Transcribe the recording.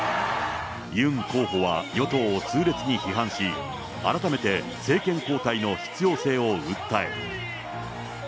ユン候補は、与党を痛烈に批判し、改めて政権交代の必要性を訴え。